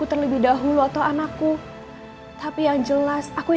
ada nanya juga tak